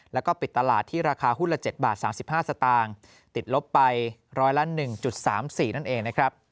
และปิดตลาดที่ราคาหุ้นละ๗บาท๓๕สตางค์ติดลบไป๑๐๑๓๔นั่นเอง